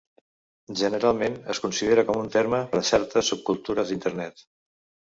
Generalment es considera com un terme per a certes subcultures d'Internet.